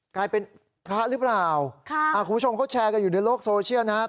กลายเป็นพระหรือเปล่าคุณผู้ชมเขาแชร์กันอยู่ในโลกโซเชียลนะครับ